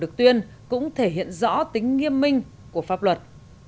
được tuyên cũng thể hiện rõ tính nghiêm minh của pháp luật